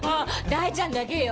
大ちゃんだけ。